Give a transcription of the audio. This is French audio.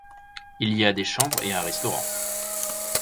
Il y a des chambres et un restaurant.